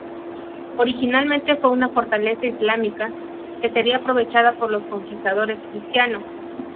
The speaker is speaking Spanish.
Originalmente fue una fortaleza islámica, que sería aprovechada por los conquistadores cristianos.